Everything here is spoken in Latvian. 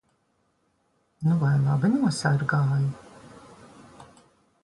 Nu vai labi nosargāji?